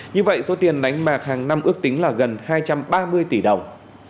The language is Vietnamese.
như vậy số tiền đánh bạc hàng năm ước tính là gần hai trăm ba mươi tỷ đồng